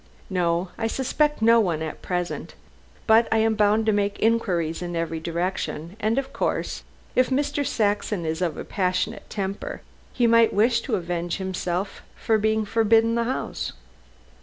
"No. I suspect no one at present. But I am bound to make inquiries in every direction, and of course, if Mr. Saxon is of a passionate temper, he might wish to avenge himself for being forbidden the house."